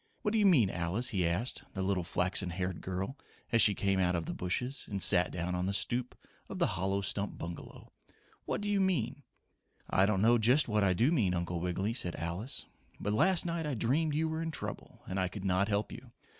What do you mean, Alice?" he asked the little flaxen haired girl as she came out of the bushes and sat down on the stoop of the hollow stump bungalow. "What do you mean?" "I don't know just what I do mean, Uncle Wiggily," said Alice. "But last night I dreamed you were in trouble and I could not help you.